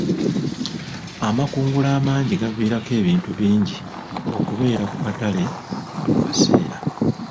Amakungula amangi gaviirako ebintu bingi okubeera ku katale buli kaseera.